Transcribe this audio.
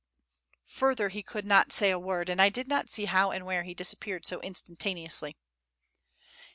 Further he could not say a word, and I did not see how and where he disappeared so instantaneously.